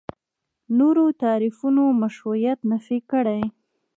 نورو تعریفونو مشروعیت نفي کړي.